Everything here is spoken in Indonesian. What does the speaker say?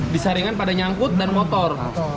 disaringan pada nyangkut dan motor